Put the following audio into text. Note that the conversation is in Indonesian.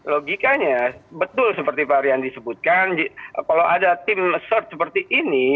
logikanya betul seperti pak ariyandi sebutkan kalau ada tim cert seperti ini